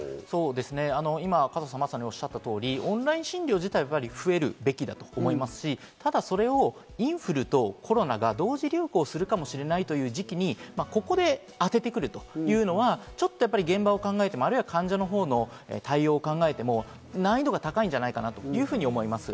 オンライン診療自体は増えるべきだと思いますし、ただそれをインフルとコロナが同時流行するかもしれないという時期にここで当ててくるというのはちょっと現場、患者の対応を考えても難易度が高いんじゃないかなというふうに思います。